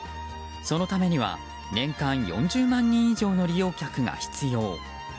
そのためには年間４０万人以上の利用客が必要。